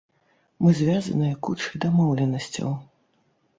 Мы звязаныя кучай дамоўленасцяў.